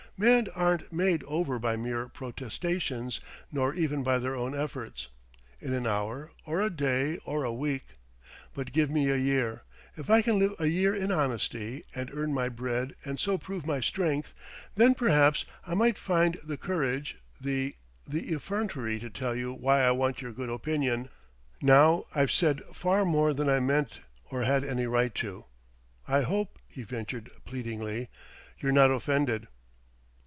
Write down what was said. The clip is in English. Men aren't made over by mere protestations, nor even by their own efforts, in an hour, or a day, or a week. But give me a year: if I can live a year in honesty, and earn my bread, and so prove my strength then, perhaps, I might find the courage, the the effrontery to tell you why I want your good opinion.... Now I've said far more than I meant or had any right to. I hope," he ventured pleadingly "you're not offended."